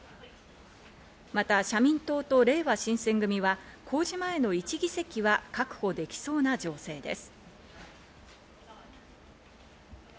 また、社民党とれいわ新選組は公示前の１議席は確保できそうな情勢です。